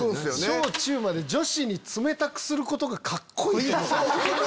小中まで女子に冷たくすることがカッコいいと思ってる。